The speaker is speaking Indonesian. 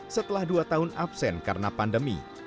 setelah dua tahun absen karena pandemi